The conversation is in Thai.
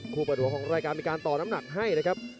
เปิดหัวของรายการมีการต่อน้ำหนักให้นะครับ